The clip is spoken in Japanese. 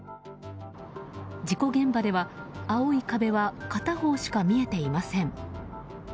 事故現場では青い壁は片方しか見えていません。